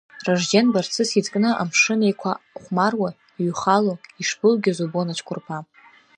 Ражьден Барцыц изкны амшын Еиқәа хәмаруа, иҩхало, ишбылгьоз убон ацәқәырԥа.